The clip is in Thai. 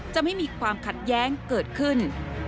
จะไม่มีความขัดแย้งเกิดขึ้น